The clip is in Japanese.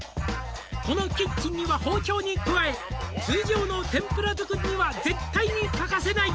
「このキッチンには包丁に加え」「通常の天ぷら作りには絶対に欠かせない」